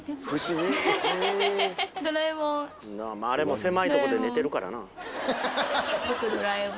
あれも狭いとこで寝てるから。